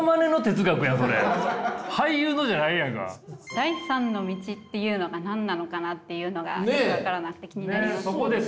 「第３の道」っていうのが何なのかなっていうのが分からなくて気になります。